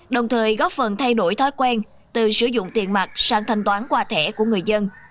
đồng thời góp phần thay đổi thói quen từ sử dụng tiền mặt sang thanh toán qua thẻ của người dân